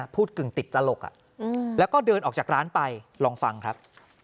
กึ่งติดตลกแล้วก็เดินออกจากร้านไปลองฟังครับ